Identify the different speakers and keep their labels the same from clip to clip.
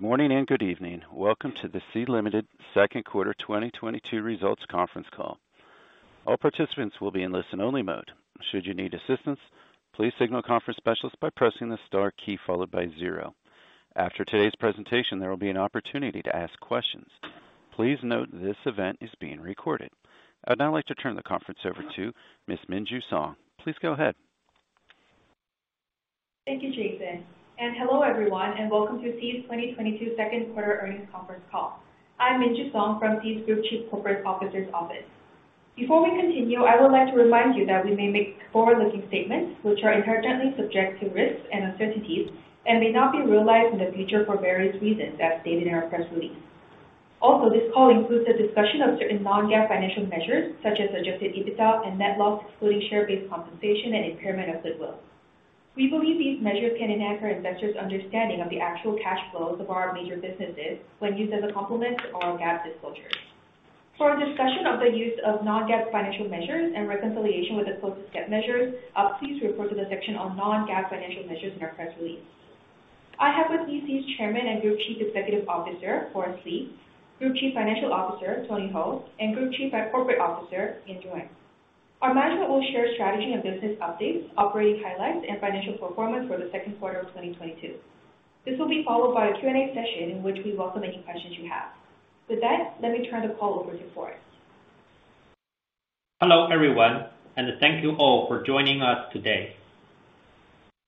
Speaker 1: Good morning and good evening. Welcome to the Sea Limited Q2 2022 results conference call. All participants will be in listen-only mode. Should you need assistance, please signal conference specialists by pressing the star key followed by zero. After today's presentation, there will be an opportunity to ask questions. Please note this event is being recorded. I would now like to turn the conference over to Ms. Minju Song. Please go ahead.
Speaker 2: Thank you, Jason. Hello everyone, and welcome to Sea's 2022 Q2 earnings conference call. I'm Minju Song from Sea's Group Chief Corporate Officer's office. Before we continue, I would like to remind you that we may make forward-looking statements which are inherently subject to risks and uncertainties and may not be realized in the future for various reasons as stated in our press release. This call includes a discussion of certain non-GAAP financial measures such as adjusted EBITDA and net loss excluding share-based compensation and impairment of goodwill. We believe these measures can enhance our investors' understanding of the actual cash flows of our major businesses when used as a complement to our GAAP disclosures. For a discussion of the use of non-GAAP financial measures and reconciliation with the closest GAAP measures, please refer to the section on non-GAAP financial measures in our press release. I have with me Sea's Chairman and Group Chief Executive Officer, Forrest Li, Group Chief Financial Officer, Tianyu Hou, and Group Chief Corporate Officer, Yanjun Wang. Our management will share strategy and business updates, operating highlights, and financial performance for the Q2 of 2022. This will be followed by a Q&A session in which we welcome any questions you have. With that, let me turn the call over to Forrest.
Speaker 3: Hello everyone, and thank you all for joining us today.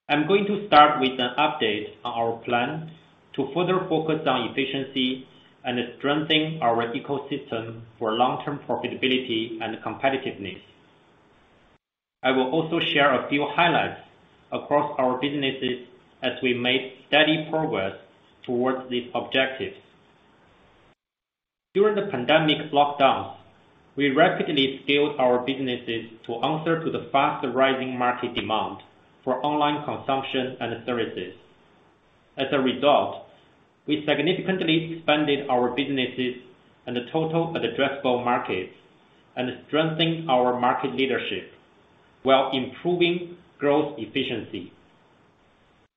Speaker 3: I'm going to start with an update on our plan to further focus on efficiency and strengthening our ecosystem for long-term profitability and competitiveness. I will also share a few highlights across our businesses as we made steady progress towards these objectives. During the pandemic lockdowns, we rapidly scaled our businesses to answer to the fast-rising market demand for online consumption and services. As a result, we significantly expanded our businesses and total addressable markets and strengthened our market leadership while improving growth efficiency.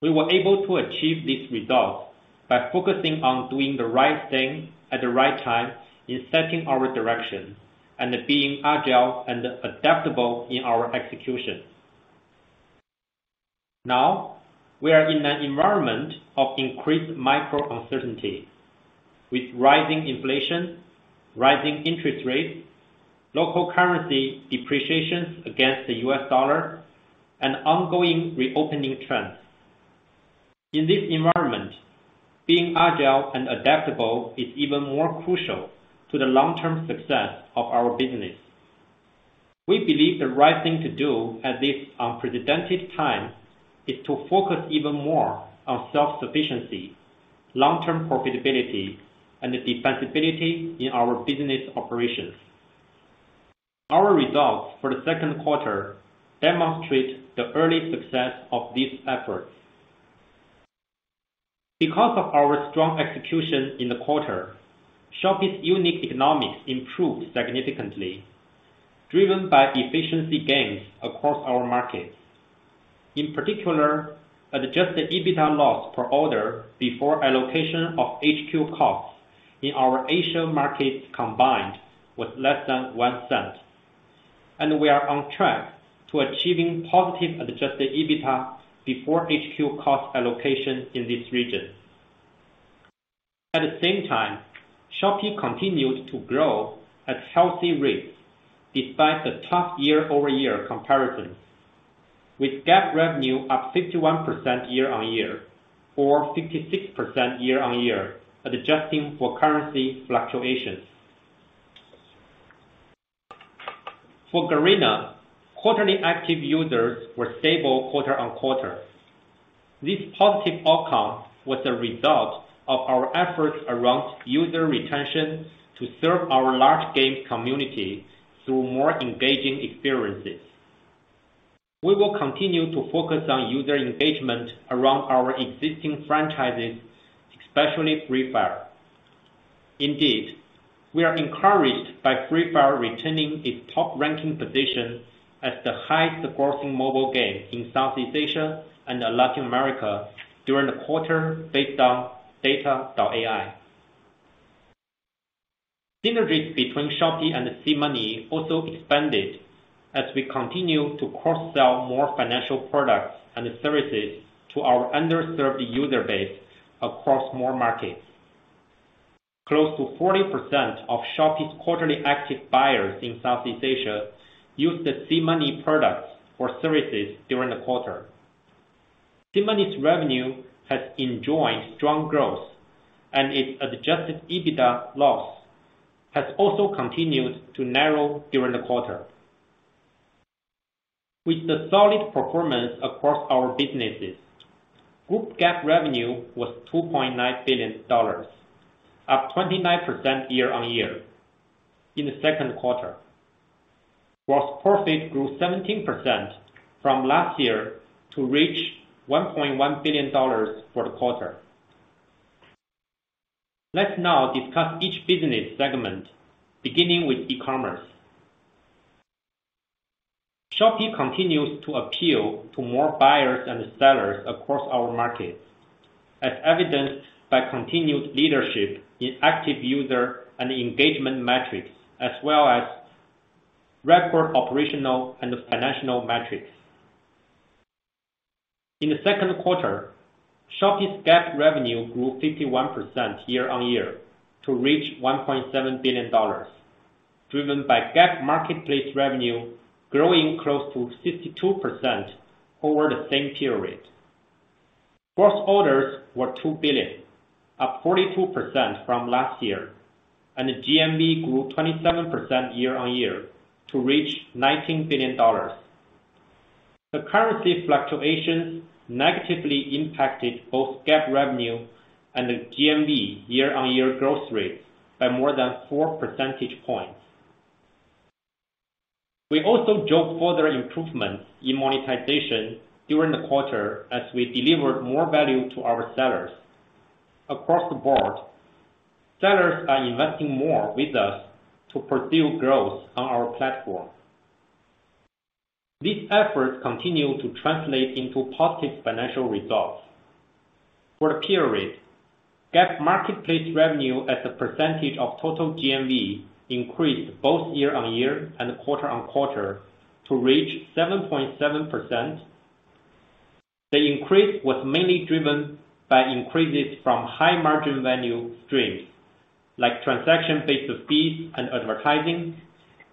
Speaker 3: We were able to achieve these results by focusing on doing the right thing at the right time in setting our direction and being agile and adaptable in our execution. Now, we are in an environment of increased macro-uncertainty with rising inflation, rising interest rates, local currency depreciations against the US dollar, and ongoing reopening trends. In this environment, being agile and adaptable is even more crucial to the long-term success of our business. We believe the right thing to do at this unprecedented time is to focus even more on self-sufficiency, long-term profitability, and defensibility in our business operations. Our results for the Q2 demonstrate the early success of these efforts. Because of our strong execution in the quarter, Shopee's unique economics improved significantly, driven by efficiency gains across our markets. In particular, adjusted EBITDA loss per order before allocation of HQ costs in our Asia markets combined was less than $0.01, and we are on track to achieving positive adjusted EBITDA before HQ cost allocation in this region. At the same time, Shopee continued to grow at healthy rates despite the tough year-over-year comparisons, with GAAP revenue up 51% year-over-year or 56% year-over-year adjusting for currency fluctuations. For Garena, quarterly active users were stable quarter-over-quarter. This positive outcome was a result of our efforts around user retention to serve our large games community through more engaging experiences. We will continue to focus on user engagement around our existing franchises, especially Free Fire. Indeed, we are encouraged by Free Fire retaining its top-ranking position as the highest-scoring mobile game in Southeast Asia and Latin America during the quarter based on data.ai. Synergies between Shopee and SeaMoney also expanded as we continue to cross-sell more financial products and services to our underserved user base across more markets. Close to 40% of Shopee's quarterly active buyers in Southeast Asia used the SeaMoney products or services during the quarter. SeaMoney's revenue has enjoyed strong growth, and its adjusted EBITDA loss has also continued to narrow during the quarter. With the solid performance across our businesses, group GAAP revenue was $2.9 billion, up 29% year-on-year in the Q2, while profit grew 17% from last year to reach $1.1 billion for the quarter. Let's now discuss each business segment, beginning with e-commerce. Shopee continues to appeal to more buyers and sellers across our markets, as evidenced by continued leadership in active user and engagement metrics as well as record operational and financial metrics. In the Q2, Shopee's GAAP revenue grew 51% year-on-year to reach $1.7 billion, driven by GAAP marketplace revenue growing close to 62% over the same period. Gross orders were $2 billion, up 42% from last year, and GMV grew 27% year-on-year to reach $19 billion. The currency fluctuations negatively impacted both GAAP revenue and GMV year-on-year growth rates by more than four percentage points. We also saw further improvements in monetization during the quarter as we delivered more value to our sellers. Across the board, sellers are investing more with us to pursue growth on our platform. These efforts continue to translate into positive financial results. For the period, GAAP marketplace revenue as a percentage of total GMV increased both year-over-year and quarter-over-quarter to reach 7.7%. The increase was mainly driven by increases from high-margin value streams like transaction-based fees and advertising,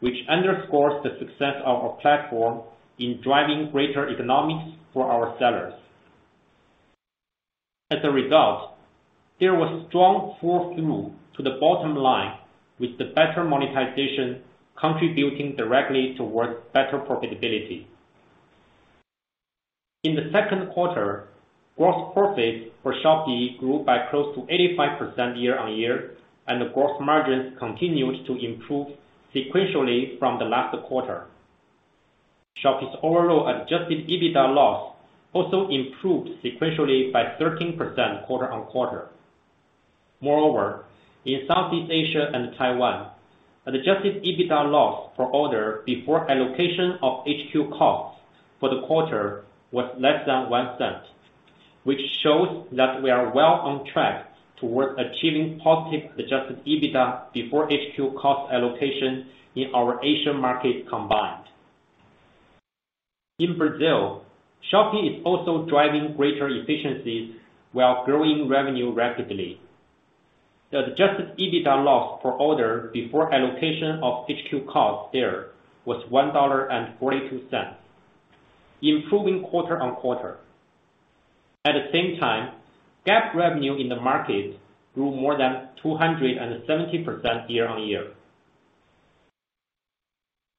Speaker 3: which underscores the success of our platform in driving greater economics for our sellers. As a result, there was strong flow-through to the bottom line with the better monetization contributing directly towards better profitability. In the Q2, gross profits for Shopee grew by close to 85% year-over-year, and the gross margins continued to improve sequentially from the last quarter. Shopee's overall adjusted EBITDA loss also improved sequentially by 13% quarter-over-quarter. Moreover, in Southeast Asia and Taiwan, adjusted EBITDA loss per order before allocation of HQ costs for the quarter was less than $0.01, which shows that we are well on track towards achieving positive adjusted EBITDA before HQ cost allocation in our Asia markets combined. In Brazil, Shopee is also driving greater efficiencies while growing revenue rapidly. The adjusted EBITDA loss per order before allocation of HQ costs there was $1.42, improving quarter-over-quarter. At the same time, GAAP revenue in the market grew more than 270% year-on-year.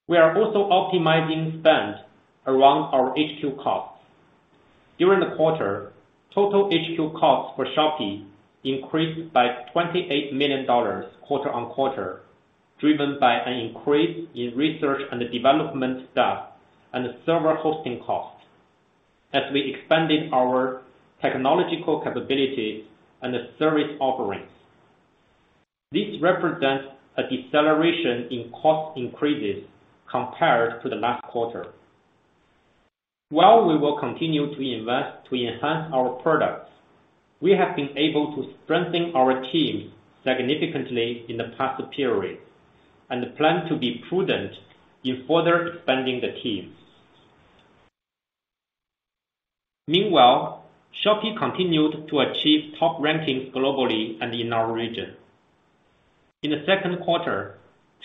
Speaker 3: We are also optimizing spend around our HQ costs. During the quarter, total HQ costs for Shopee increased by $28 million quarter-over-quarter, driven by an increase in research and development staff and server hosting costs as we expanded our technological capabilities and service offerings. This represents a deceleration in cost increases compared to the last quarter. While we will continue to invest to enhance our products, we have been able to strengthen our teams significantly in the past period and plan to be prudent in further expanding the teams. Meanwhile, Shopee continued to achieve top rankings globally and in our region. In the Q2,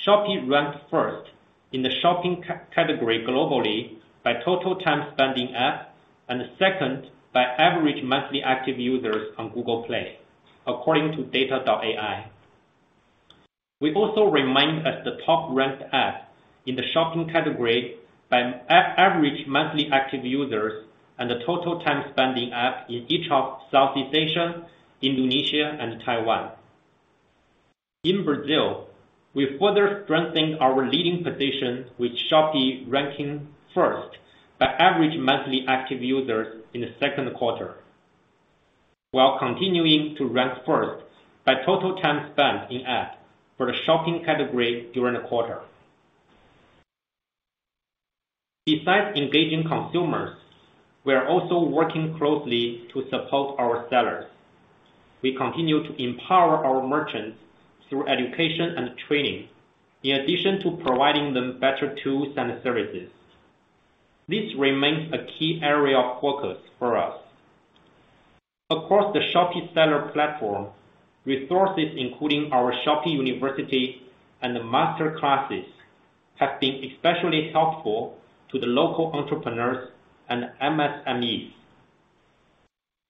Speaker 3: Shopee ranked first in the shopping category globally by total time spent in app and second by average monthly active users on Google Play, according to data.ai. We also remained as the top-ranked app in the shopping category by average monthly active users and total time spent in app in each of Southeast Asia, Indonesia, and Taiwan. In Brazil, we further strengthened our leading position with Shopee ranking first by average monthly active users in the Q2, while continuing to rank first by total time spent in app for the shopping category during the quarter. Besides engaging consumers, we are also working closely to support our sellers. We continue to empower our merchants through education and training, in addition to providing them better tools and services. This remains a key area of focus for us. Across the Shopee seller platform, resources including our Shopee University and the master classes have been especially helpful to the local entrepreneurs and MSMEs.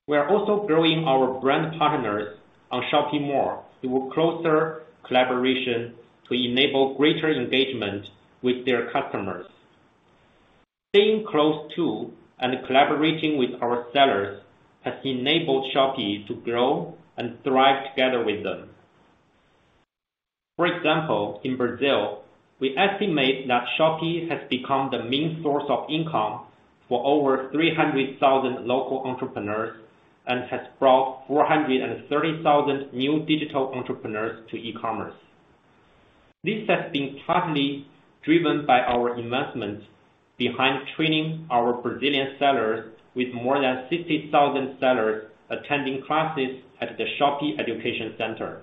Speaker 3: We are also growing our brand partners on Shopee Mall through closer collaboration to enable greater engagement with their customers. Staying close to and collaborating with our sellers has enabled Shopee to grow and thrive together with them. For example, in Brazil, we estimate that Shopee has become the main source of income for over 300,000 local entrepreneurs and has brought 430,000 new digital entrepreneurs to e-commerce. This has been partly driven by our investment behind training our Brazilian sellers, with more than 60,000 sellers attending classes at the Shopee Education Center.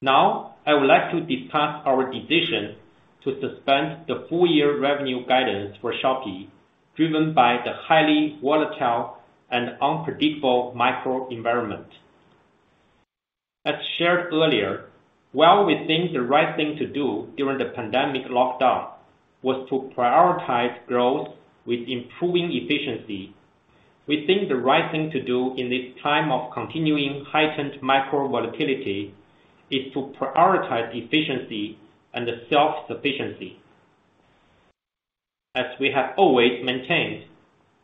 Speaker 3: Now, I would like to discuss our decision to suspend the full-year revenue guidance for Shopee, driven by the highly volatile and unpredictable macro-environment. As shared earlier, while we think the right thing to do during the pandemic lockdown was to prioritize growth with improving efficiency, we think the right thing to do in this time of continuing heightened macro-volatility is to prioritize efficiency and self-sufficiency. As we have always maintained,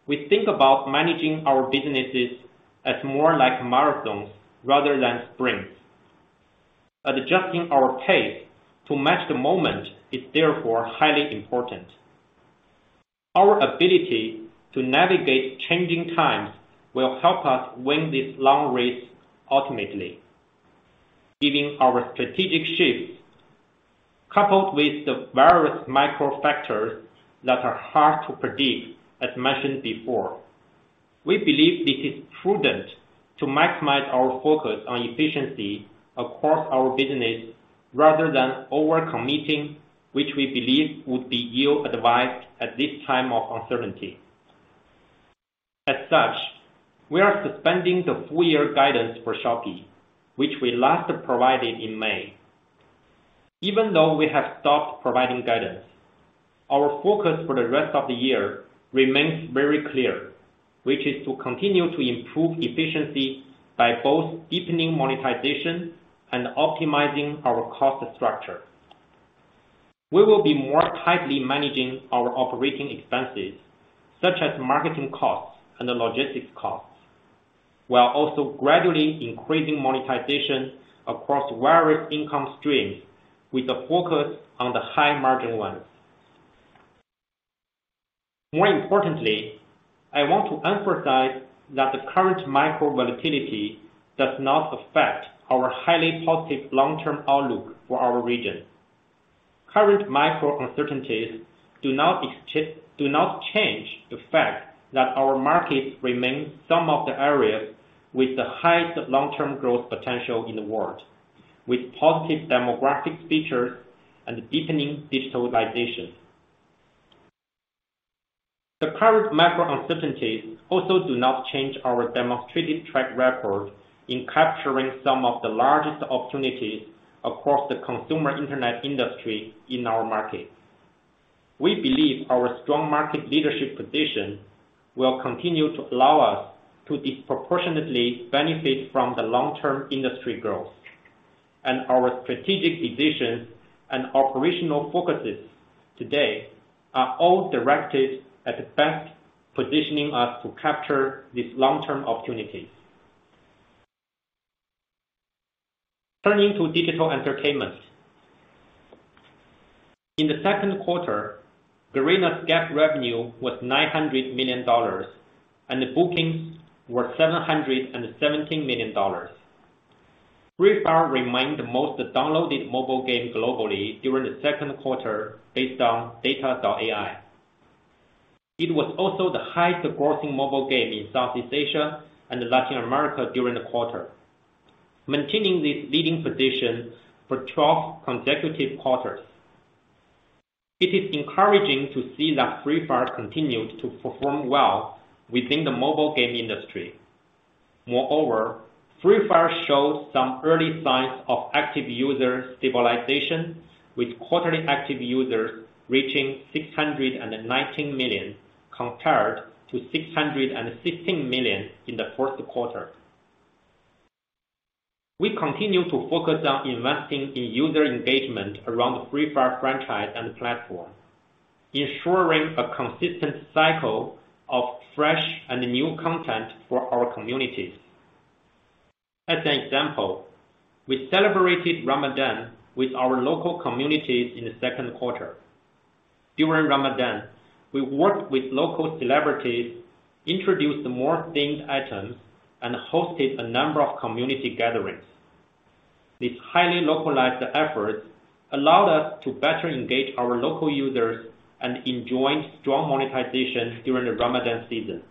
Speaker 3: we think about managing our businesses as more like marathons rather than sprints. Adjusting our pace to match the moment is therefore highly important. Our ability to navigate changing times will help us win this long race ultimately, given our strategic shifts coupled with the various micro-factors that are hard to predict, as mentioned before. We believe this is prudent to maximize our focus on efficiency across our business rather than overcommitting, which we believe would be ill-advised at this time of uncertainty. As such, we are suspending the full-year guidance for Shopee, which we last provided in May. Even though we have stopped providing guidance, our focus for the rest of the year remains very clear, which is to continue to improve efficiency by both deepening monetization and optimizing our cost structure. We will be more tightly managing our operating expenses, such as marketing costs and logistics costs, while also gradually increasing monetization across various income streams with a focus on the high-margin ones. More importantly, I want to emphasize that the current micro-volatility does not affect our highly positive long-term outlook for our region. Current micro-uncertainties do not change the fact that our markets remain some of the areas with the highest long-term growth potential in the world, with positive demographic features and deepening digitalization. The current micro-uncertainties also do not change our demonstrated track record in capturing some of the largest opportunities across the consumer internet industry in our market. We believe our strong market leadership position will continue to allow us to disproportionately benefit from the long-term industry growth, and our strategic decisions and operational focuses today are all directed at best positioning us to capture these long-term opportunities. Turning to digital entertainment. In the Q2, Garena's GAAP revenue was $900 million, and the bookings were $717 million. Free Fire remained the most downloaded mobile game globally during the Q2 based on data.ai. It was also the highest-growing mobile game in Southeast Asia and Latin America during the quarter, maintaining this leading position for 12 consecutive quarters. It is encouraging to see that Free Fire continued to perform well within the mobile game industry. Moreover, Free Fire showed some early signs of active user stabilization, with quarterly active users reaching 619 million compared to 616 million in the Q4. We continue to focus on investing in user engagement around the Free Fire franchise and platform, ensuring a consistent cycle of fresh and new content for our communities. As an example, we celebrated Ramadan with our local communities in the Q2. During Ramadan, we worked with local celebrities, introduced more themed items, and hosted a number of community gatherings. These highly localized efforts allowed us to better engage our local users and enjoy strong monetization during the Ramadan season.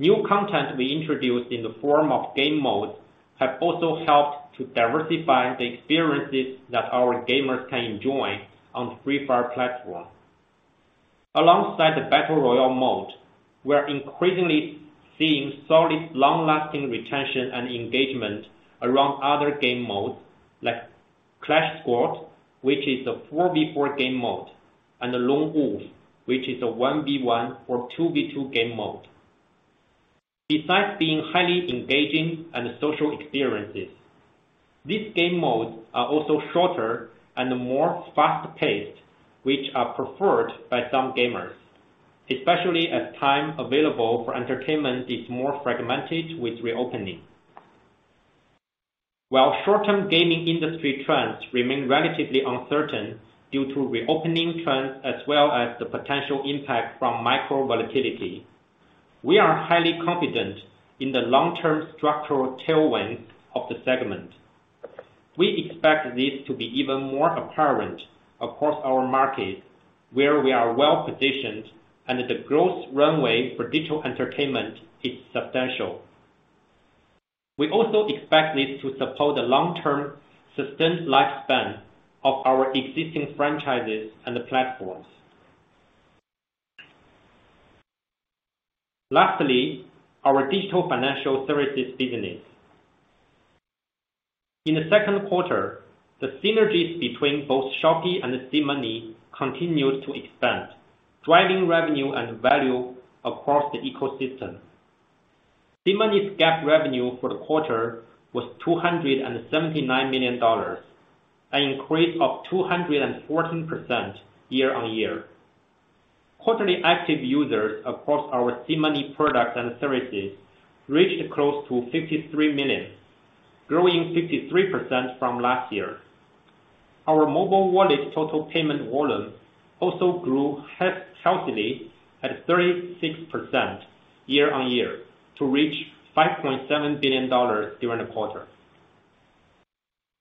Speaker 3: New content we introduced in the form of game modes has also helped to diversify the experiences that our gamers can enjoy on the Free Fire platform. Alongside the Battle Royale mode, we are increasingly seeing solid, long-lasting retention and engagement around other game modes like Clash Squad, which is a 4v4 game mode, and Lone Wolf, which is a 1v1 or 2v2 game mode. Besides being highly engaging and social experiences, these game modes are also shorter and more fast-paced, which are preferred by some gamers, especially as time available for entertainment is more fragmented with reopening. While short-term gaming industry trends remain relatively uncertain due to reopening trends as well as the potential impact from micro-volatility, we are highly confident in the long-term structural tailwinds of the segment. We expect this to be even more apparent across our markets, where we are well-positioned and the growth runway for digital entertainment is substantial. We also expect this to support the long-term sustained lifespan of our existing franchises and platforms. Lastly, our digital financial services business. In the Q2, the synergies between both Shopee and SeaMoney continued to expand, driving revenue and value across the ecosystem. SeaMoney's GAAP revenue for the quarter was $279 million, an increase of 214% year-over-year. Quarterly active users across our SeaMoney products and services reached close to 53 million, growing 53% from last year. Our mobile wallet total payment volume also grew healthily at 36% year-over-year to reach $5.7 billion during the quarter.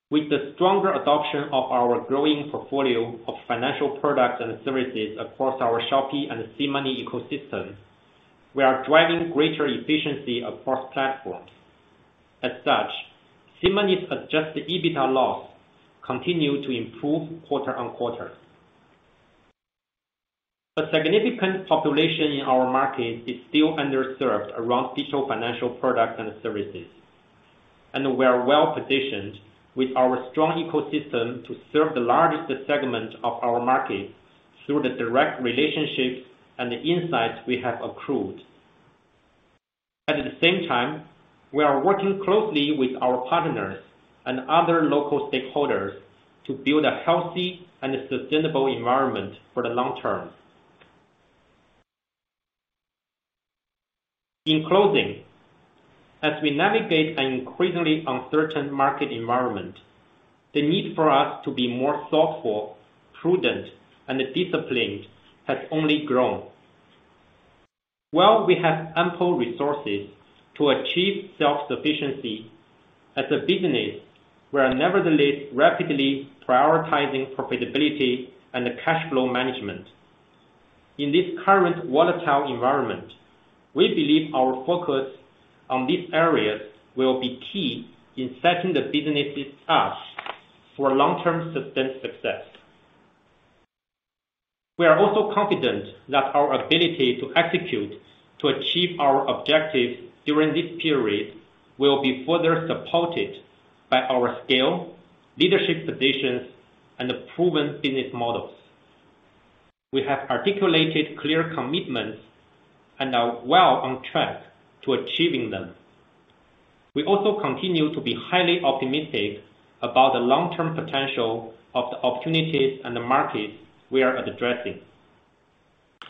Speaker 3: With the stronger adoption of our growing portfolio of financial products and services across our Shopee and SeaMoney ecosystem, we are driving greater efficiency across platforms. As such, SeaMoney's adjusted EBITDA loss continued to improve quarter-over-quarter. A significant population in our market is still underserved around digital financial products and services, and we are well-positioned with our strong ecosystem to serve the largest segment of our market through the direct relationships and insights we have accrued. At the same time, we are working closely with our partners and other local stakeholders to build a healthy and sustainable environment for the long term. In closing, as we navigate an increasingly uncertain market environment, the need for us to be more thoughtful, prudent, and disciplined has only grown. While we have ample resources to achieve self-sufficiency as a business, we are nevertheless rapidly prioritizing profitability and cash flow management. In this current volatile environment, we believe our focus on these areas will be key in setting the businesses up for long-term sustained success. We are also confident that our ability to execute to achieve our objectives during this period will be further supported by our scale, leadership positions, and proven business models. We have articulated clear commitments and are well on track to achieving them. We also continue to be highly optimistic about the long-term potential of the opportunities and the markets we are addressing.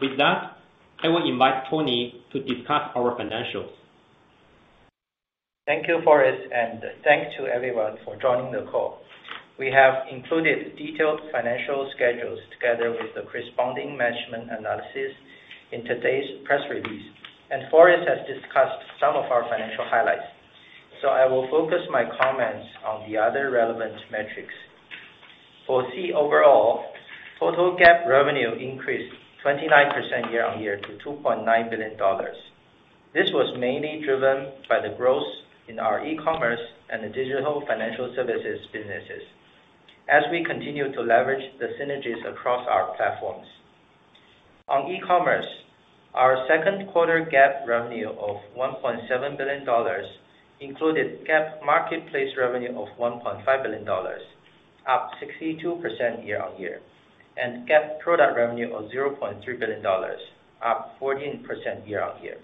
Speaker 3: With that, I will invite Tianyu to discuss our financials.
Speaker 4: Thank you, Forrest, and thanks to everyone for joining the call. We have included detailed financial schedules together with the corresponding management analysis in today's press release, and Forrest has discussed some of our financial highlights. I will focus my comments on the other relevant metrics. For Sea overall, total GAAP revenue increased 29% year-over-year to $2.9 billion. This was mainly driven by the growth in our e-commerce and the digital financial services businesses. As we continue to leverage the synergies across our platforms. On e-commerce, our Q2 GAAP revenue of $1.7 billion included GAAP marketplace revenue of $1.5 billion, up 62% year-over-year, and GAAP product revenue of $0.3 billion, up 14% year-over-year.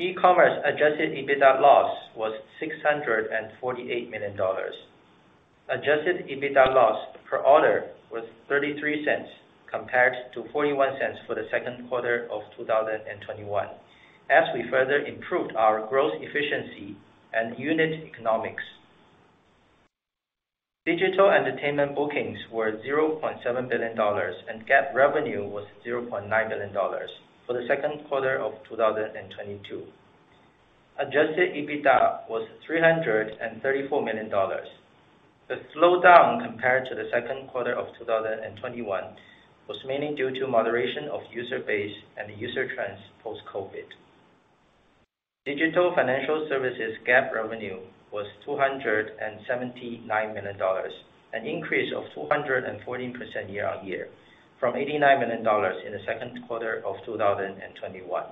Speaker 4: E-commerce adjusted EBITDA loss was $648 million. Adjusted EBITDA loss per order was $0.033 compared to $0.041 for the Q2 of 2021 as we further improved our growth efficiency and unit economics. Digital entertainment bookings were $0.7 billion, and GAAP revenue was $0.9 billion for the Q2 of 2022. Adjusted EBITDA was $334 million. The slowdown compared to the Q2 of 2021 was mainly due to moderation of user base and user trends post-COVID. Digital financial services GAAP revenue was $279 million, an increase of 214% year-over-year from $89 million in the Q2 of 2021.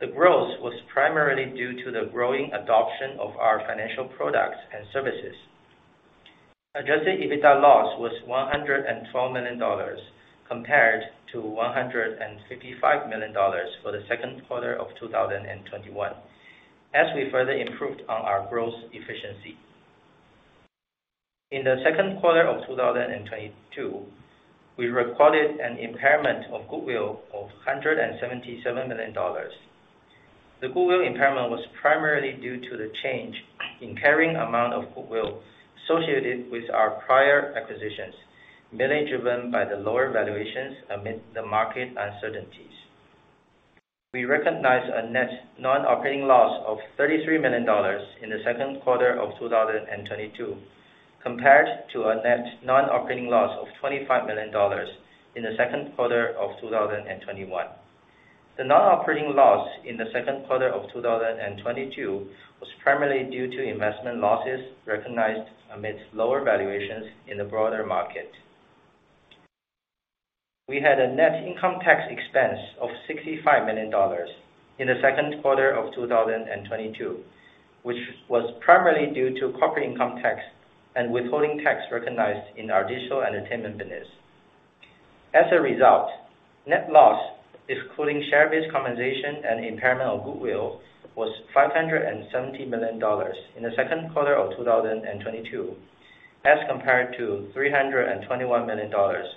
Speaker 4: The growth was primarily due to the growing adoption of our financial products and services. Adjusted EBITDA loss was $112 million compared to $155 million for the Q2 of 2021 as we further improved on our growth efficiency. In the Q2 of 2022, we recorded an impairment of goodwill of $177 million. The goodwill impairment was primarily due to the change in carrying amount of goodwill associated with our prior acquisitions, mainly driven by the lower valuations amid the market uncertainties. We recognized a net non-operating loss of $33 million in the Q2 of 2022 compared to a net non-operating loss of $25 million in the Q2 of 2021. The non-operating loss in the Q2 of 2022 was primarily due to investment losses recognized amid lower valuations in the broader market. We had a net income tax expense of $65 million in the Q2 of 2022, which was primarily due to corporate income tax and withholding tax recognized in our digital entertainment business. As a result, net loss, including share-based compensation and impairment of goodwill, was $570 million in the Q2 of 2022 as compared to $321 million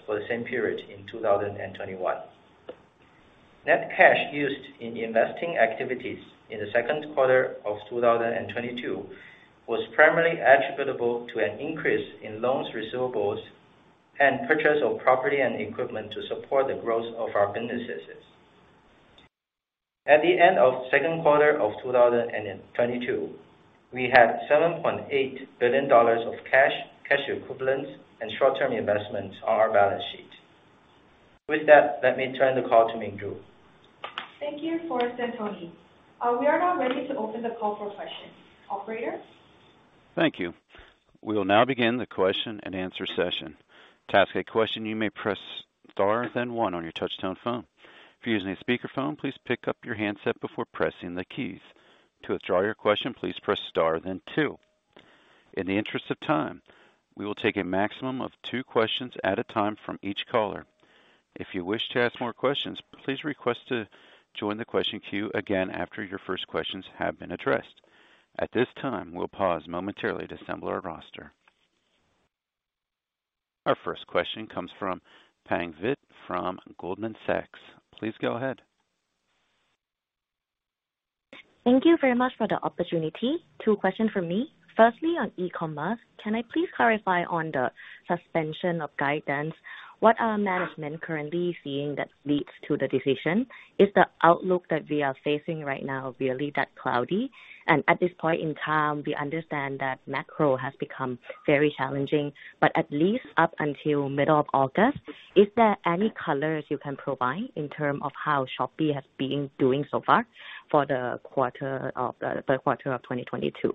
Speaker 4: for the same period in 2021. Net cash used in investing activities in the Q2 of 2022 was primarily attributable to an increase in loans receivables and purchase of property and equipment to support the growth of our businesses. At the end of the Q2 of 2022, we had $7.8 billion of cash equivalents, and short-term investments on our balance sheet. With that, let me turn the call to Minju Song.
Speaker 2: Thank you, Forrest and Tianyu. We are now ready to open the call for questions. Operator.
Speaker 1: Thank you. We will now begin the question and answer session. To ask a question, you may press star then one on your touch-tone phone. If you're using a speakerphone, please pick up your handset before pressing the keys. To withdraw your question, please press star then two. In the interest of time, we will take a maximum of two questions at a time from each caller. If you wish to ask more questions, please request to join the question queue again after your first questions have been addressed. At this time, we'll pause momentarily to assemble our roster. Our first question comes from Pang Vittayaamnuaykoon from Goldman Sachs. Please go ahead.
Speaker 5: Thank you very much for the opportunity. Two questions for me. Firstly, on e-commerce, can I please clarify on the suspension of guidance? What are management currently seeing that leads to the decision? Is the outlook that we are facing right now really that cloudy? At this point in time, we understand that macro has become very challenging, but at least up until middle of August, is there any colors you can provide in terms of how Shopee has been doing so far for the quarter of 2022?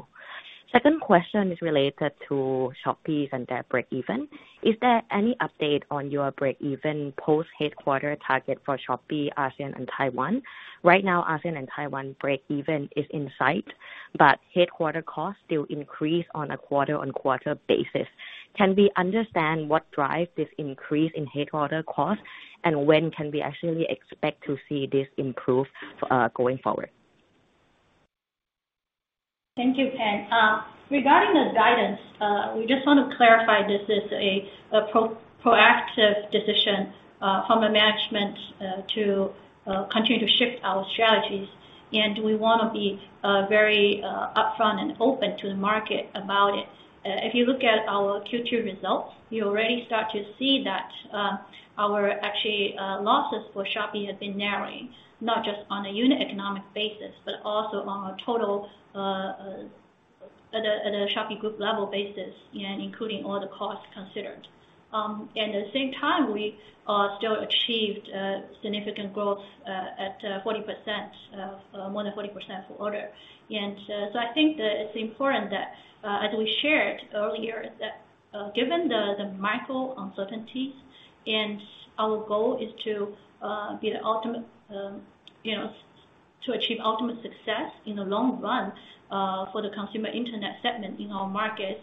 Speaker 5: Second question is related to Shopee's and their break-even. Is there any update on your break-even post-headquarter target for Shopee, ASEAN, and Taiwan? Right now, ASEAN and Taiwan break-even is in sight, but headquarter costs still increase on a quarter-on-quarter basis. Can we understand what drives this increase in headquarters costs, and when can we actually expect to see this improve going forward?
Speaker 2: Thank you, Pang. Regarding the guidance, we just want to clarify this is a proactive decision from the management to continue to shift our strategies, and we want to be very upfront and open to the market about it. If you look at our Q2 results, you already start to see that our actual losses for Shopee have been narrowing, not just on a unit economic basis, but also on a total at a Shopee group level basis, including all the costs considered. At the same time, we still achieved significant growth at 40%, more than 40% per order. I think that it's important that, as we shared earlier, that given the macro uncertainties, and our goal is to achieve ultimate success in the long run for the consumer internet segment in our markets,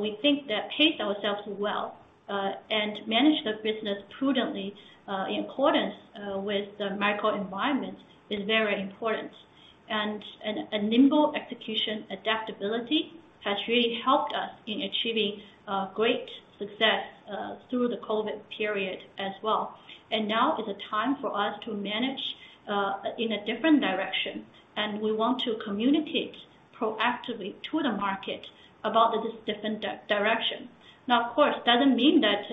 Speaker 2: we think that pace ourselves well and manage the business prudently in accordance with the macro environment is very important. A nimble execution adaptability has really helped us in achieving great success through the COVID period as well. Now is a time for us to manage in a different direction, and we want to communicate proactively to the market about this different direction. Now, of course, it doesn't mean that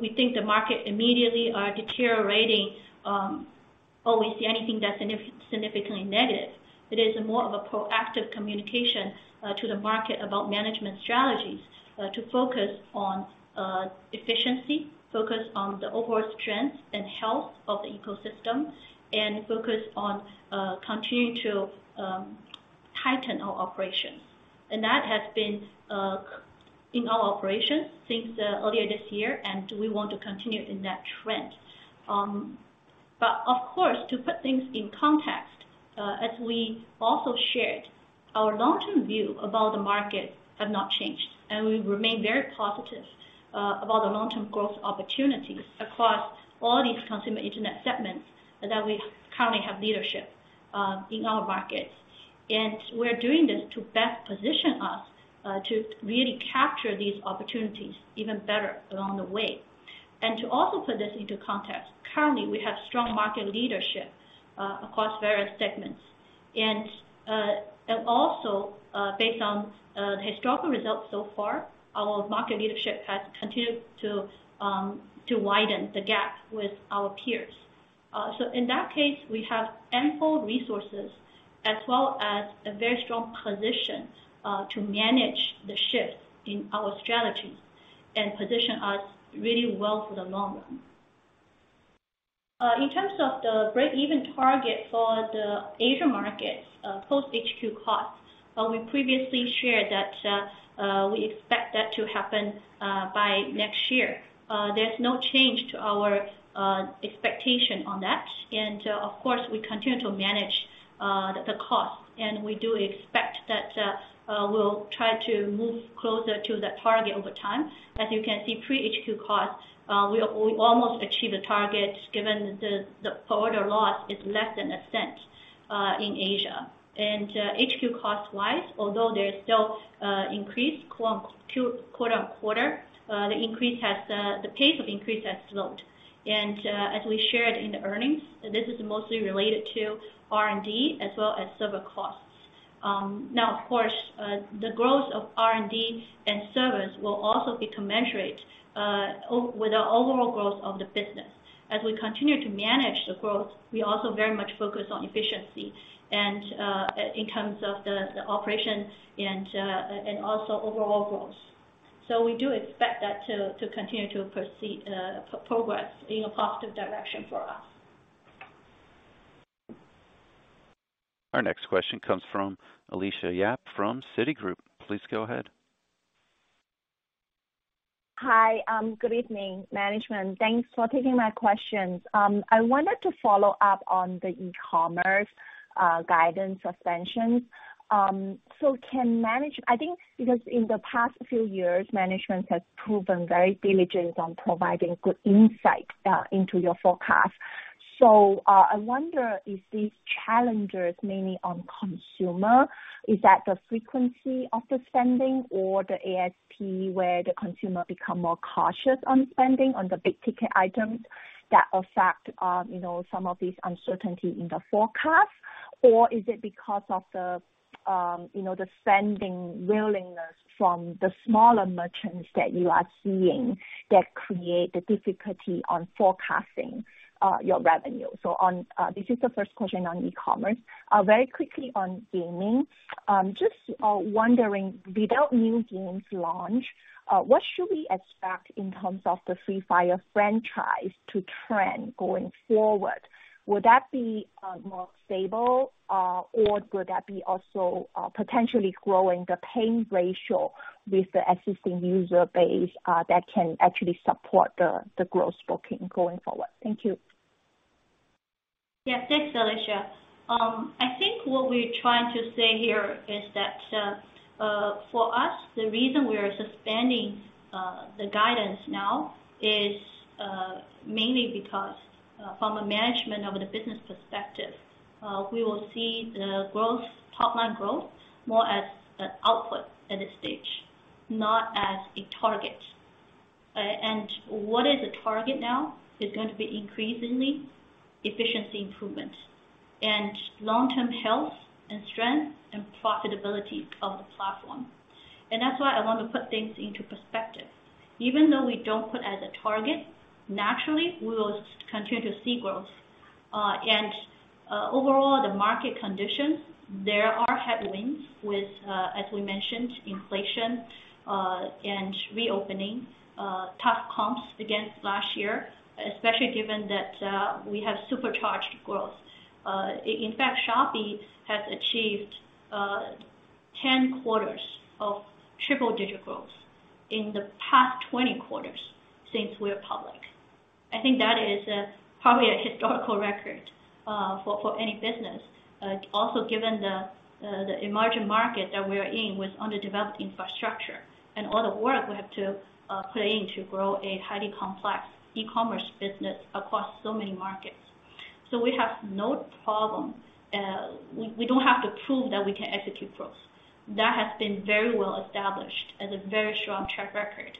Speaker 2: we think the market immediately are deteriorating or we see anything that's significantly negative. It is more of a proactive communication to the market about management strategies to focus on efficiency, focus on the overall strength and health of the ecosystem, and focus on continuing to tighten our operations. That has been in our operations since earlier this year, and we want to continue in that trend. Of course, to put things in context, as we also shared, our long-term view about the markets has not changed, and we remain very positive about the long-term growth opportunities across all these consumer internet segments that we currently have leadership in our markets. We're doing this to best position us to really capture these opportunities even better along the way. To also put this into context, currently, we have strong market leadership across various segments. Also, based on the historical results so far, our market leadership has continued to widen the gap with our peers. In that case, we have ample resources as well as a very strong position to manage the shift in our strategies and position us really well for the long run. In terms of the break-even target for the Asia markets post-HQ costs, we previously shared that we expect that to happen by next year. There's no change to our expectation on that. Of course, we continue to manage the costs, and we do expect that we'll try to move closer to that target over time. As you can see, pre-HQ costs, we almost achieved the target given the per-order loss is less than $0.01 in Asia. HQ cost-wise, although there's still increase quarter-over-quarter, the pace of increase has slowed. As we shared in the earnings, this is mostly related to R&D as well as server costs. Now, of course, the growth of R&D and servers will also be commensurate with the overall growth of the business. As we continue to manage the growth, we also very much focus on efficiency in terms of the operation and also overall growth. We do expect that to continue to progress in a positive direction for us.
Speaker 1: Our next question comes from Alicia Yap from Citigroup. Please go ahead.
Speaker 6: Hi. Good evening, management. Thanks for taking my questions. I wanted to follow up on the e-commerce guidance suspensions. Can management i think because in the past few years, management has proven very diligent on providing good insight into your forecast. I wonder, is these challenges mainly on consumer? Is that the frequency of the spending or the ASP where the consumer become more cautious on spending on the big-ticket items that affect some of these uncertainties in the forecast? Or is it because of the spending willingness from the smaller merchants that you are seeing that create the difficulty on forecasting your revenue? This is the first question on e-commerce. Very quickly on gaming.. Just wondering, with that new game's launch, what should we expect in terms of the Free Fire franchise to trend going forward? Would that be more stable, or would that be also potentially growing the paying ratio with the existing user base that can actually support the growth booking going forward? Thank you.
Speaker 2: Yes, thanks, Alicia. I think what we're trying to say here is that for us, the reason we are suspending the guidance now is mainly because from a management of the business perspective, we will see the top-line growth more as an output at this stage, not as a target. What is a target now is going to be increasingly efficiency improvement and long-term health and strength and profitability of the platform. That's why I want to put things into perspective. Even though we don't put as a target, naturally, we will continue to see growth. Overall, the market conditions, there are headwinds with, as we mentioned, inflation and reopening, tough comps against last year, especially given that we have supercharged growth. In fact, Shopee has achieved 10 quarters of triple-digit growth in the past 20 quarters since we're public. I think that is probably a historical record for any business, also given the emerging market that we are in with underdeveloped infrastructure and all the work we have to put in to grow a highly complex e-commerce business across so many markets. We have no problem. We don't have to prove that we can execute growth. That has been very well established as a very strong track record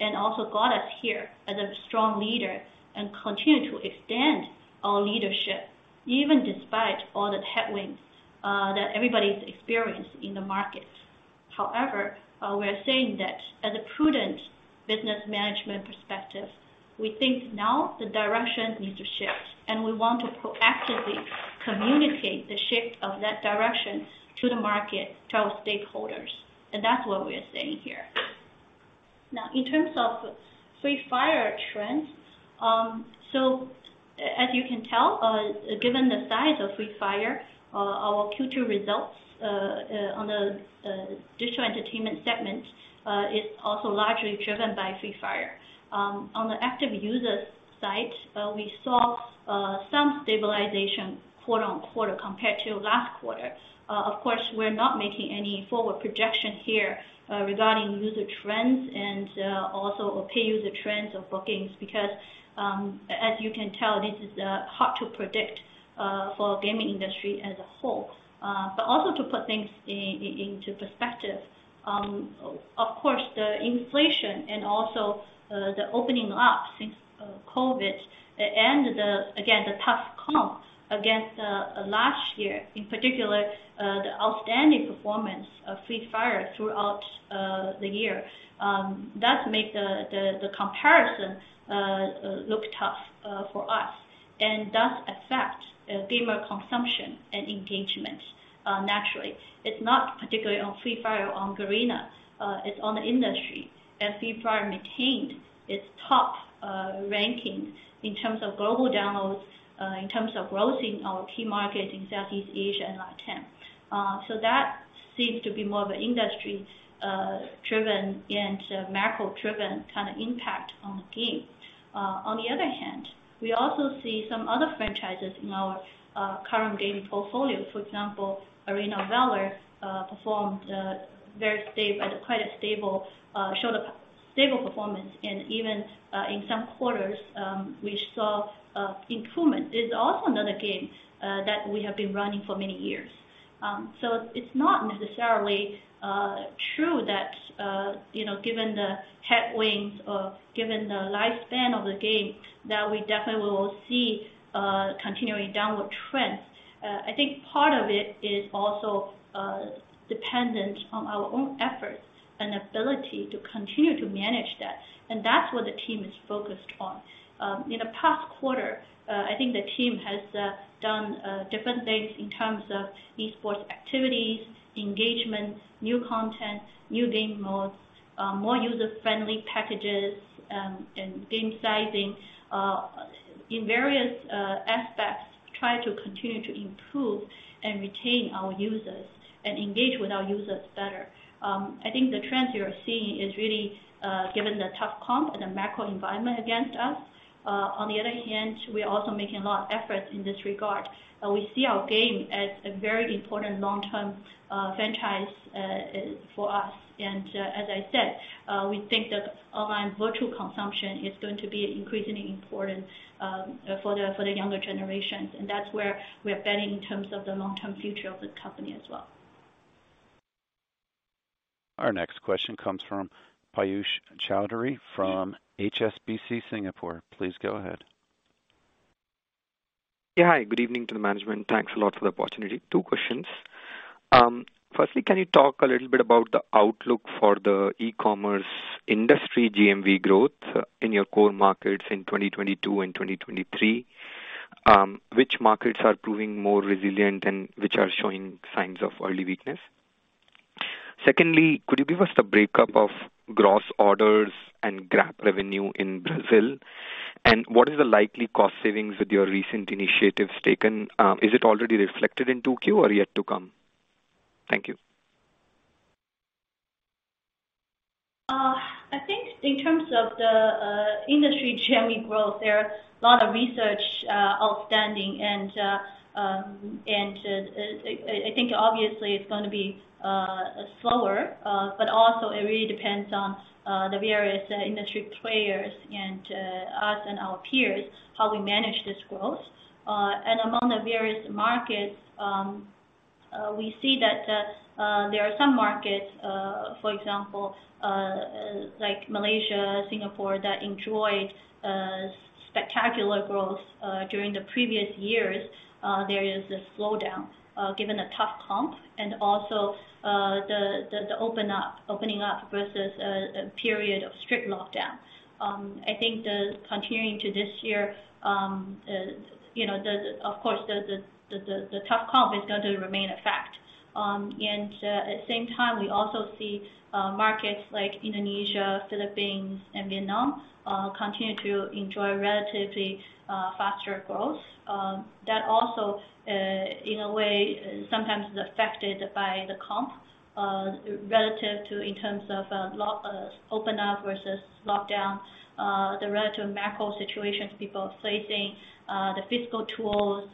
Speaker 2: and also got us here as a strong leader and continue to extend our leadership even despite all the headwinds that everybody's experienced in the market. However, we are saying that as a prudent business management perspective, we think now the direction needs to shift, and we want to proactively communicate the shift of that direction to the market, to our stakeholders. That's what we are saying here. Now, in terms of Free Fire trends, so as you can tell, given the size of Free Fire, our Q2 results on the digital entertainment segment is also largely driven by Free Fire. On the active user side, we saw some stabilization "quarter on quarter" compared to last quarter. Of course, we're not making any forward projection here regarding user trends and also pay user trends or bookings because, as you can tell, this is hard to predict for the gaming industry as a whole. Also to put things into perspective, of course, the inflation and also the opening up since COVID and, again, the tough comp against last year, in particular, the outstanding performance of Free Fire throughout the year, does make the comparison look tough for us and does affect gamer consumption and engagement naturally. It's not particularly on Free Fire or on Garena. It's on the industry. Free Fire maintained its top ranking in terms of global downloads, in terms of growth in our key markets in Southeast Asia and Latin America that seems to be more of an industry-driven and macro-driven kind of impact on the game. On the other hand, we also see some other franchises in our current game portfolio for example, Arena of Valor performed very stable, quite a stable performance, and even in some quarters, we saw improvement it's also another game that we have been running for many years. It's not necessarily true that given the headwinds or given the lifespan of the game, that we definitely will see continuing downward trends. I think part of it is also dependent on our own efforts and ability to continue to manage that. That's what the team is focused on. In the past quarter, I think the team has done different things in terms of esports activities, engagement, new content, new game modes, more user-friendly packages, and game sizing in various aspects, tried to continue to improve and retain our users and engage with our users better. I think the trends you are seeing is really given the tough comp and the macro environment against us. On the other hand, we are also making a lot of efforts in this regard. We see our game as a very important long-term franchise for us. As i said, we think that online virtual consumption is going to be increasingly important for the younger generations that's where we are betting in terms of the long-term future of the company as well.
Speaker 1: Our next question comes from Piyush Choudhary from HSBC Singapore. Please go ahead.
Speaker 7: Yeah. Hi. Good evening to the management thanks a lot for the opportunity two questions. Firstly, can you talk a little bit about the outlook for the e-commerce industry GMV growth in your core markets in 2022 and 2023? Which markets are proving more resilient and which are showing signs of early weakness? Secondly, could you give us the breakdown of gross orders and GAAP revenue in Brazil? And what is the likely cost savings with your recent initiatives taken? Is it already reflected in Q2 or yet to come? Thank you.
Speaker 2: I think in terms of the industry GMV growth, there are a lot of research outstanding. I think, obviously, it's going to be slower, but also, it really depends on the various industry players and us and our peers, how we manage this growth. Among the various markets, we see that there are some markets, for example, like Malaysia and Singapore, that enjoyed spectacular growth during the previous years. There is a slowdown given a tough comp and also the opening up versus a period of strict lockdown. I think continuing to this year, of course, the tough comp is going to remain a fact. At the same time, we also see markets like Indonesia, Philippines, and Vietnam continue to enjoy relatively faster growth that also, in a way, sometimes is affected by the comp relative to in terms of opening up versus lockdown, the relative macro situations people are facing, the fiscal tools,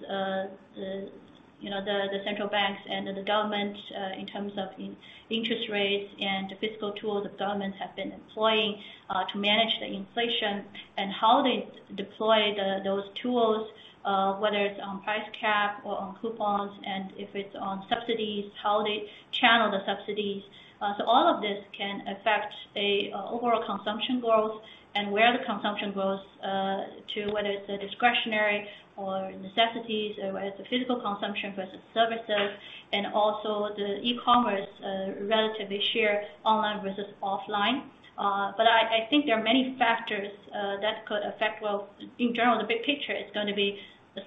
Speaker 2: the central banks, and the government in terms of interest rates and the fiscal tools the governments have been employing to manage the inflation and how they deploy those tools, whether it's on price cap or on coupons, and if it's on subsidies, how they channel the subsidies. All of this can affect overall consumption growth and where the consumption grows to, whether it's discretionary or necessities, whether it's physical consumption versus services, and also the e-commerce relative issue online versus offline. I think there are many factors that could affect growth in general, the big picture, it's going to be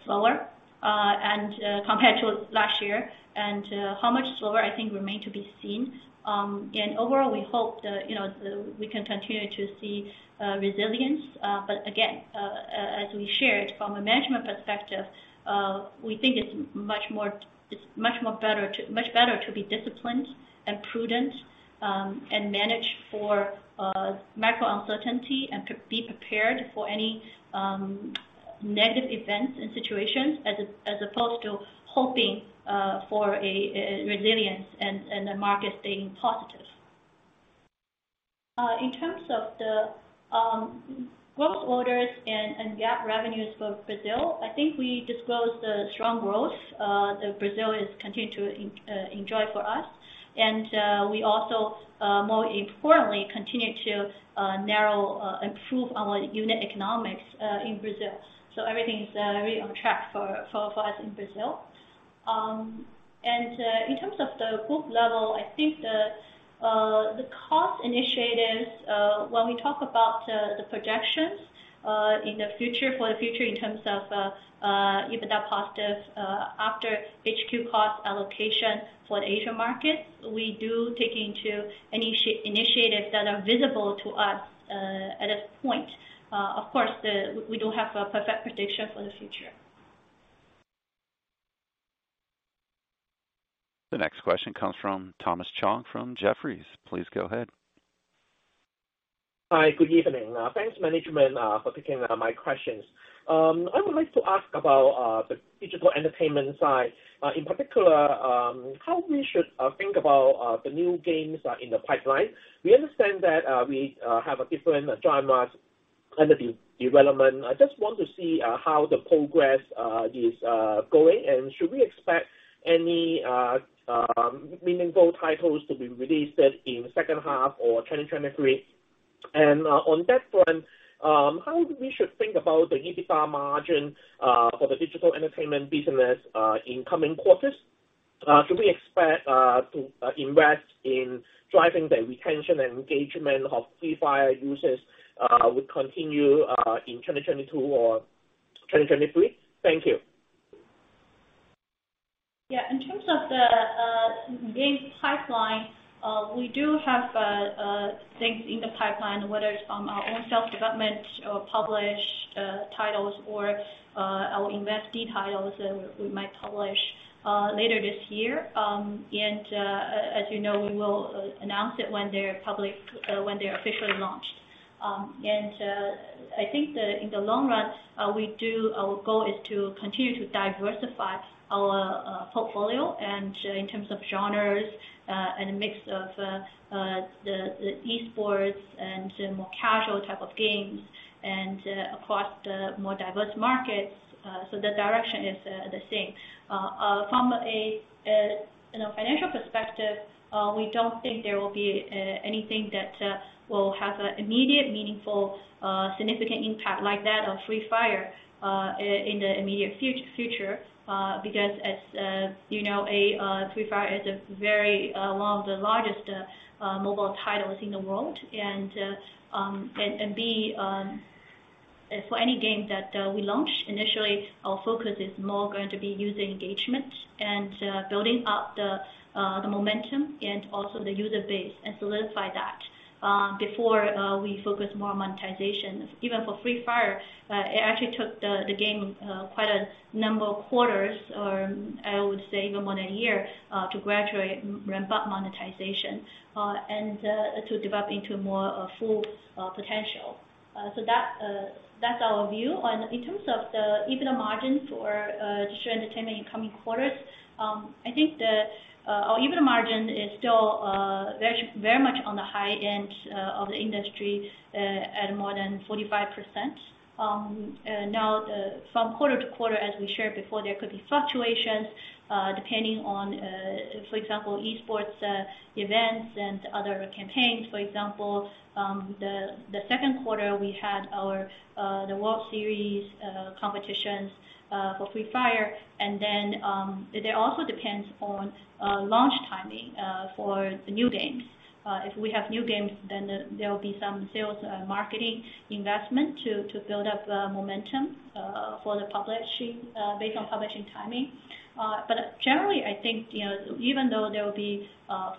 Speaker 2: slower compared to last year, and how much slower, I think, remains to be seen. Overall, we hope that we can continue to see resilience. Again, as we shared, from a management perspective, we think it's much more better to be disciplined and prudent and manage for macro uncertainty and be prepared for any negative events and situations as opposed to hoping for resilience and the market staying positive. In terms of the growth orders and GAAP revenues for Brazil, I think we disclosed the strong growth that Brazil is continuing to enjoy for us. We also, more importantly, continue to improve our unit economics in Brazil. Everything is very on track for us in Brazil. In terms of the group level, I think the cost initiatives, when we talk about the projections for the future in terms of EBITDA positive after HQ cost allocation for the Asian markets, we do take into account any initiatives that are visible to us at this point. Of course, we don't have a perfect prediction for the future.
Speaker 1: The next question comes from Thomas Chong from Jefferies. Please go ahead.
Speaker 8: Hi. Good evening. Thanks, management, for taking my questions. I would like to ask about the digital entertainment side. In particular, how we should think about the new games in the pipeline. We understand that we have different genres in development i just want to see how the progress is going should we expect any meaningful titles to be released in the second half or 2023? On that front, how we should think about the EBITDA margin for the digital entertainment business in coming quarters? Should we expect investments in driving the retention and engagement of Free Fire users to continue in 2022 or 2023? Thank you.
Speaker 2: Yeah in terms of the game pipeline, we do have things in the pipeline, whether it's from our own self-development or published titles or our investee titles that we might publish later this year. As you know, we will announce it when they're officially launched. I think in the long run, our goal is to continue to diversify our portfolio in terms of genres and a mix of the esports and more casual type of games across the more diverse markets. The direction is the same. From a financial perspective, we don't think there will be anything that will have an immediate, meaningful, significant impact like that of Free Fire in the immediate future because, as you know, Free Fire is one of the largest mobile titles in the world. For any game that we launch, initially, our focus is more going to be user engagement and building up the momentum and also the user base and solidify that before we focus more on monetization even for Free Fire, it actually took the game quite a number of quarters, or I would say even more than a year, to gradually ramp up monetization and to develop into more full potential. That's our view in terms of the EBITDA margin for digital entertainment in coming quarters, I think our EBITDA margin is still very much on the high end of the industry at more than 45%. Now, from quarter to quarter, as we shared before, there could be fluctuations depending on, for example, esports events and other campaigns for example, the Q2, we had the World Series competition Free Fire. It also depends on launch timing for the new games. If we have new games, then there will be some sales and marketing investment to build up momentum based on publishing timing. Generally, I think even though there will be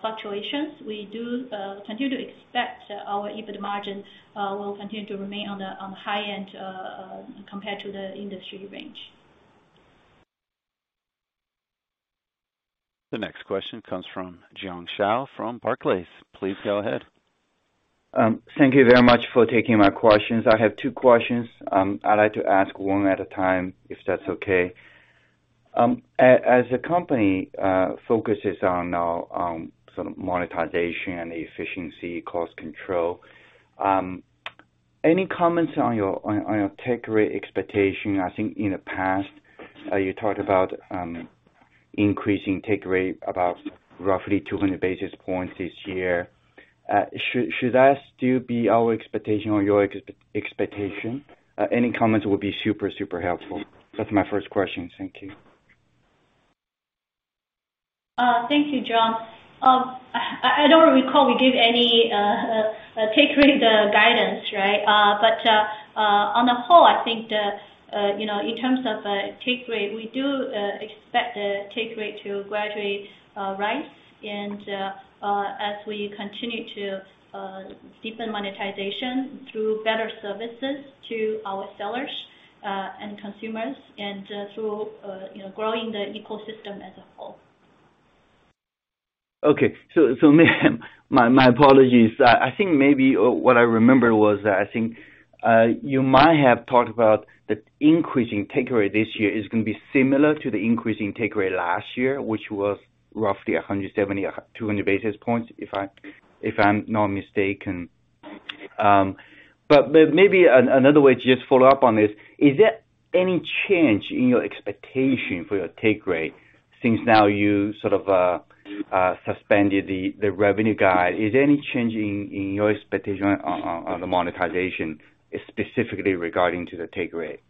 Speaker 2: fluctuations, we do continue to expect our EBITDA margin will continue to remain on the high end compared to the industry range.
Speaker 1: The next question comes from Jiong Shao from Barclays. Please go ahead.
Speaker 9: Thank you very much for taking my questions i have two questions. I'd like to ask one at a time if that's okay. As the company focuses on sort of monetization and efficiency, cost control, any comments on your take rate expectation? I think in the past, you talked about increasing take rate about roughly 200 basis points this year. Should that still be our expectation or your expectation? Any comments would be super helpful. That's my first question. Thank you.
Speaker 2: Thank you, Jiong. I don't recall we gave any take rate guidance, right? On the whole, I think in terms of take rate, we do expect the take rate to gradually rise as we continue to deepen monetization through better services to our sellers and consumers and through growing the ecosystem as a whole.
Speaker 9: Okay. My apologies. I think maybe what I remember was that I think you might have talked about the increasing take rate this year is going to be similar to the increasing take rate last year, which was roughly 200 basis points, if I'm not mistaken. Maybe another way to just follow up on this, is there any change in your expectation for your take rate since now you sort of suspended the revenue guide? Is there any change in your expectation on the monetization specifically regarding to the take rate?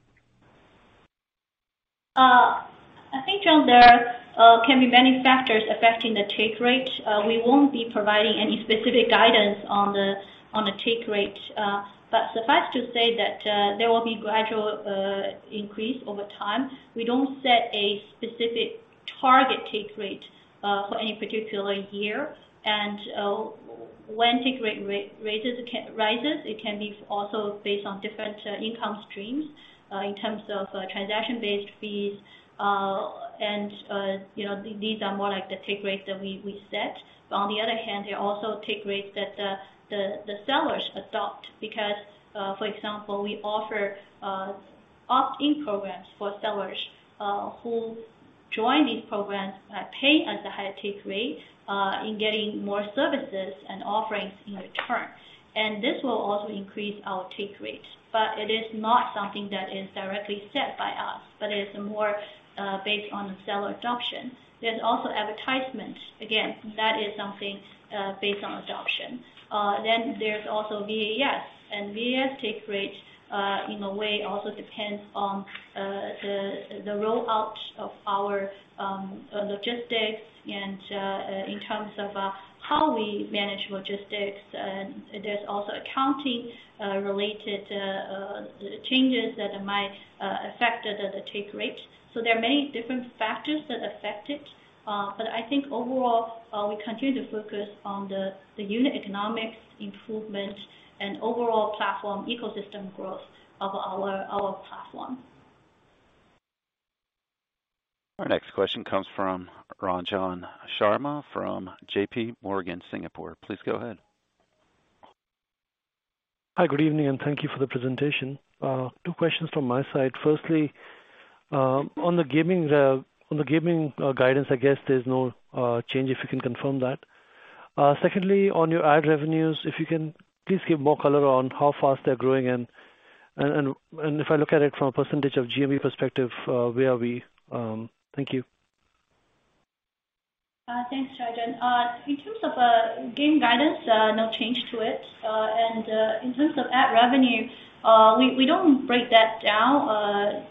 Speaker 2: I think, there can be many factors affecting the take rate. We won't be providing any specific guidance on the take rate. Suffice to say that there will be gradual increase over time. We don't set a specific target take rate for any particular year. When take rate rises, it can be also based on different income streams in terms of transaction-based fees. These are more like the take rate that we set. On the other hand, there are also take rates that the sellers adopt because, for example, we offer opt-in programs for sellers who join these programs by paying a higher take rate in getting more services and offerings in return. This will also increase our take rate. It is not something that is directly set by us, but it is more based on the seller adoption. There's also advertisement again, that is something based on adoption. There's also VAS. VAS take rate, in a way, also depends on the rollout of our logistics and in terms of how we manage logistics. There's also accounting-related changes that might affect the take rate. There are many different factors that affect it. I think, overall, we continue to focus on the unit economics improvement and overall platform ecosystem growth of our platform.
Speaker 1: Our next question comes from Ranjan Sharma from JP Morgan Singapore. Please go ahead.
Speaker 10: Hi. Good evening thank you for the presentation. Two questions from my side firstly, on the gaming guidance, I guess there's no change, if you can confirm that. Secondly, on your ad revenues, if you can, please give more color on how fast they're growing. If I look at it from a percentage of GMV perspective, where are we? Thank you.
Speaker 2: Thanks, Ranjan. In terms of game guidance, no change to it. In terms of ad revenue, we don't break that down.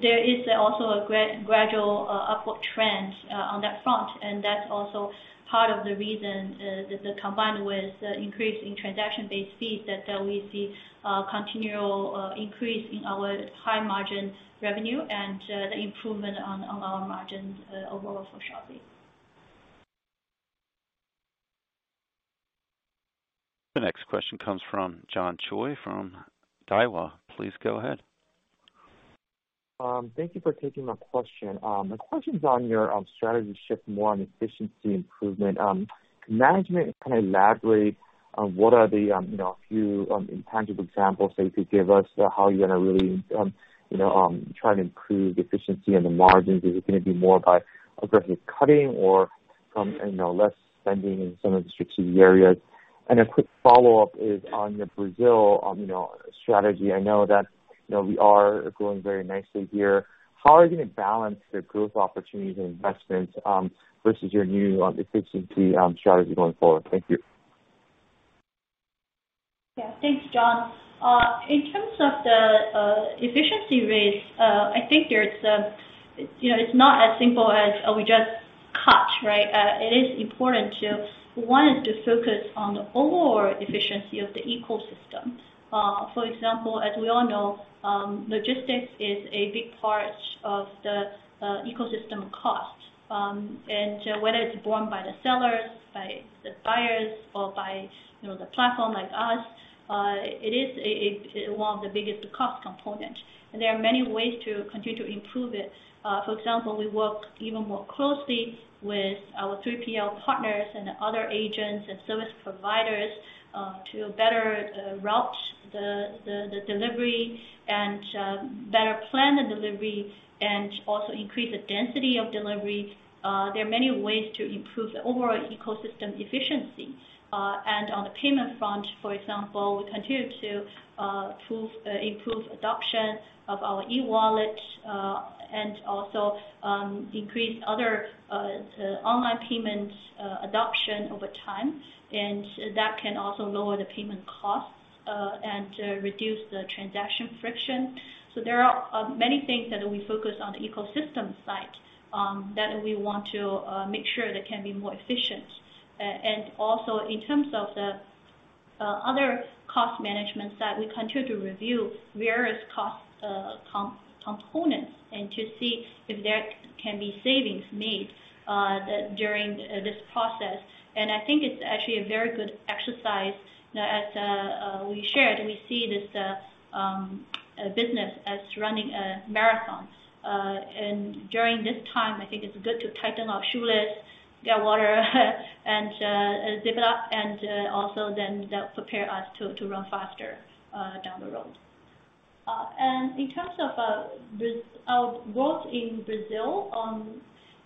Speaker 2: There is also a gradual upward trend on that front and that's also part of the reason that combined with the increase in transaction-based fees, that we see a continual increase in our high-margin revenue and the improvement on our margins overall for Shopee.
Speaker 1: The next question comes from John Choi from Daiwa. Please go ahead.
Speaker 11: Thank you for taking my question. The question's on your strategy shift more on efficiency improvement. Could management kind of elaborate on what are a few tangible examples that you could give us of how you're going to really try to improve efficiency and the margins? Is it going to be more by aggressive cutting? or from less spending in some of the strategic areas? A quick follow-up is on your Brazil strategy i know that we are growing very nicely here. How are you going to balance the growth opportunities and investments versus your new efficiency strategy going forward? Thank you.
Speaker 2: Yeah. Thanks, John. In terms of the efficiency raise, I think it's not as simple as, "Oh, we just cut," right? It is important to, one, is to focus on the overall efficiency of the ecosystem. For example, as we all know, logistics is a big part of the ecosystem cost. Whether it's borne by the sellers, by the buyers, or by the platform like us, it is one of the biggest cost components. There are many ways to continue to improve it. For example, we work even more closely with our 3PL partners and other agents and service providers to better route the delivery and better plan the delivery and also increase the density of delivery. There are many ways to improve the overall ecosystem efficiency. On the payment front, for example, we continue to improve adoption of our e-wallet and also increase other online payments adoption over time. That can also lower the payment costs and reduce the transaction friction. There are many things that we focus on the ecosystem side that we want to make sure that can be more efficient. In terms of the other cost management side, we continue to review various cost components and to see if there can be savings made during this process. I think it's actually a very good exercise as we shared, we see this business as running a marathon. During this time, I think it's good to tighten our shoelaces, get water, and zip it up. That prepares us to run faster down the road. In terms of our growth in Brazil,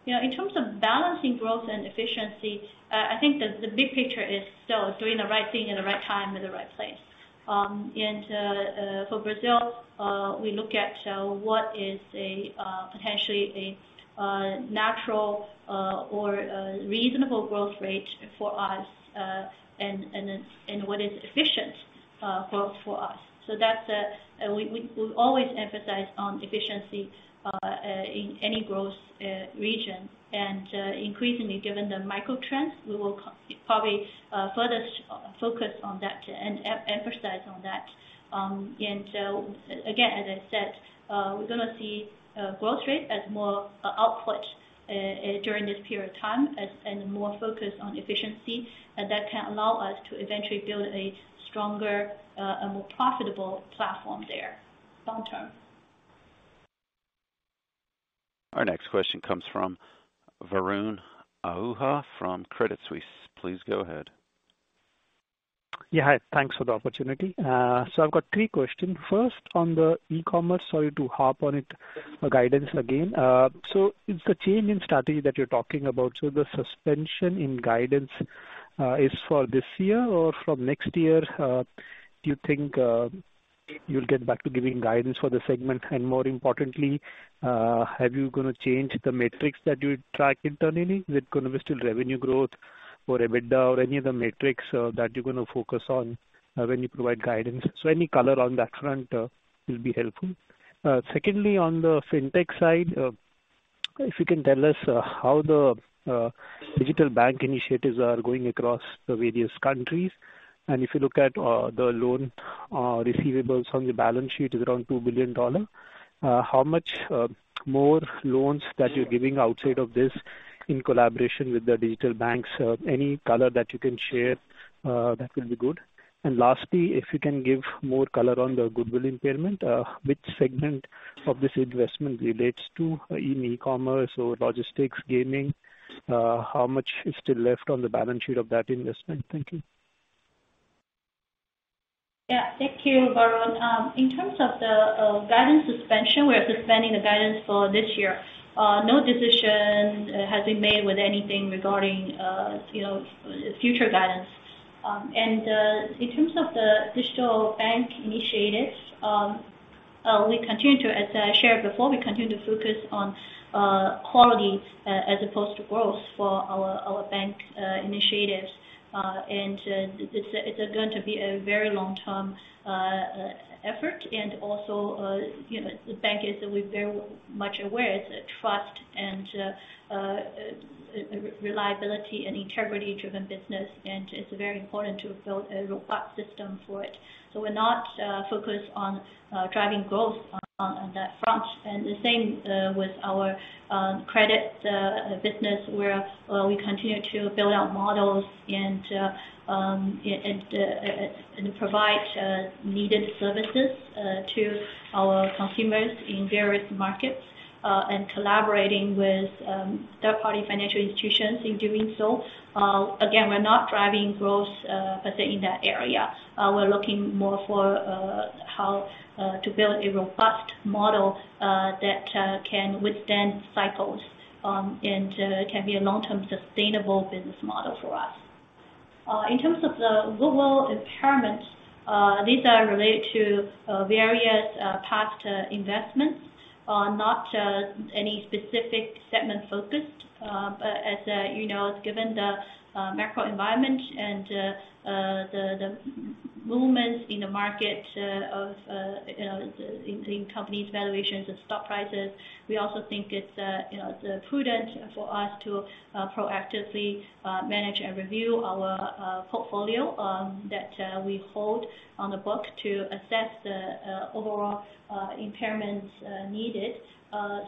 Speaker 2: in terms of balancing growth and efficiency, I think the big picture is still doing the right thing at the right time at the right place. For Brazil, we look at what is potentially a natural or reasonable growth rate for us and what is efficient growth for us we always emphasize on efficiency in any growth region. Increasingly, given the micro trends, we will probably further focus on that and emphasize on that. Again, as i said, we're going to see growth rate as more output during this period of time and more focus on efficiency. That can allow us to eventually build a stronger, a more profitable platform there long term.
Speaker 1: Our next question comes from Varun Ahuja from Credit Suisse. Please go ahead.
Speaker 12: Yeah. Hi. Thanks for the opportunity. I've got three questions first, on the e-commerce, sorry to harp on it, guidance again. It's the change in strategy that you're talking about the suspension in guidance is for this year? or from next year, do you think? you'll get back to giving guidance for the segment more importantly- -Are you going to change the metrics that you track internally? Is it going to be still revenue growth or EBITDA or any other metrics that you're going to focus on when you provide guidance? Any color on that front will be helpful. Secondly, on the Fintech side, if you can tell us how the digital bank initiatives are going across the various countries. If you look at the loan receivables on the balance sheet, it's around $2 billion.
Speaker 10: How much more loans that you're giving outside of this in collaboration with the digital banks? Any color that you can share, that will be good. Lastly, if you can give more color on the goodwill impairment, which segment of this investment relates to in e-commerce or logistics, gaming? How much is still left on the balance sheet of that investment? Thank you.
Speaker 2: Yeah. Thank you, Varun. In terms of the guidance suspension, we are suspending the guidance for this year. No decision has been made with anything regarding future guidance. In terms of the digital bank initiatives, as i shared before, we continue to focus on quality as opposed to growth for our bank initiatives. It's going to be a very long-term effort and also, the bank is very much aware it's a trust and reliability and integrity-driven business. It's very important to build a robust system for it. We're not focused on driving growth on that front the same with our credit business, where we continue to build out models and provide needed services to our consumers in various markets and collaborating with third-party financial institutions in doing so. Again, we're not driving growth per se in that area. We're looking more for how to build a robust model that can withstand cycles and can be a long-term sustainable business model for us. In terms of the goodwill impairment, these are related to various past investments, not any specific segment-focused. As you know, given the micro-environment and the movements in the market of companies, valuations, and stock prices, we also think it's prudent for us to proactively manage and review our portfolio that we hold on the books to assess the overall impairments needed.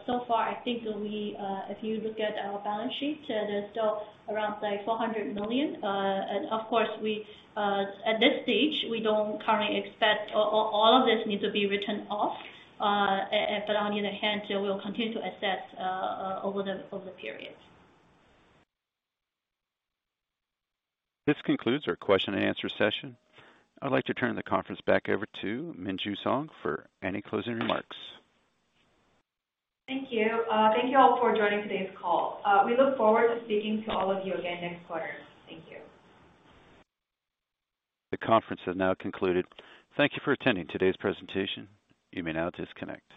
Speaker 2: So far, I think if you look at our balance sheet, there's still around $400 million. Of course, at this stage, we don't currently expect all of this needs to be written off. On the other hand, we'll continue to assess over the period.
Speaker 1: This concludes our question-and-answer session. I'd like to turn the conference back over to Minju Song for any closing remarks.
Speaker 2: Thank you. Thank you all for joining today's call. We look forward to speaking to all of you again next quarter. Thank you.
Speaker 1: The conference has now concluded. Thank you for attending today's presentation. You may now disconnect.